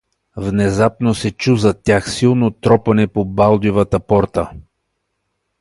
Внезапно се чу зад тях силно тропане по Балдювата порта.